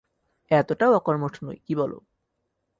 এতটাও অকর্মঠ নই, কি বল?